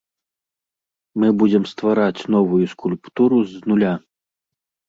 Мы будзем ствараць новую скульптуру з нуля.